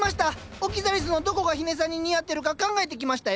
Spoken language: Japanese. オキザリスのどこが日根さんに似合ってるか考えてきましたよ。